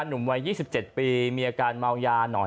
หนุ่มวัย๒๗ปีมีอาการเมายาหนอน